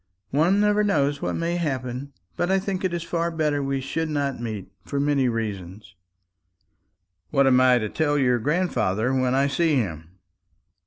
"One never knows what may happen; but I think it is far better we should not meet, for many reasons." "What am I to tell your grandfather when I see him?"